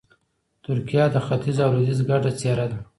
ترکیه د ختیځ او لویدیځ ګډه څېره ده.